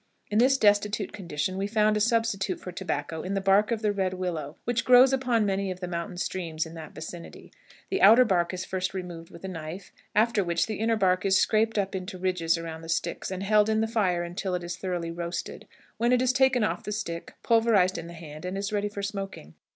In this destitute condition we found a substitute for tobacco in the bark of the red willow, which grows upon many of the mountain streams in that vicinity. The outer bark is first removed with a knife, after which the inner bark is scraped up into ridges around the sticks, and held in the fire until it is thoroughly roasted, when it is taken off the stick, pulverized in the hand, and is ready for smoking.